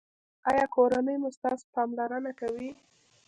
ایا کورنۍ مو ستاسو پاملرنه کوي؟